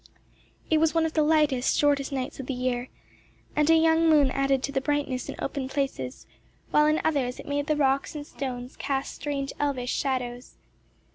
It was one of the lightest, shortest nights of the year, and a young moon added to the brightness in open places, while in others it made the rocks and stones cast strange elvish shadows.